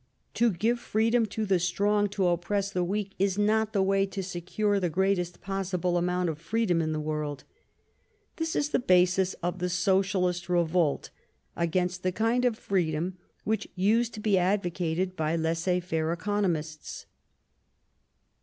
To give freedom to the strong to oppress the weak is not the way to secure the greatest possible amount of freedom in the world. This is the basis of the socialist revolt against the kind of freedom which used to be advocated by laissez faire economists.